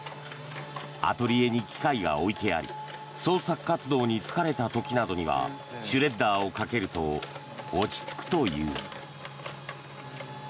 アトリエに機械が置いてあり創作活動に疲れた時などにはシュレッダーをかけると落ち着くという。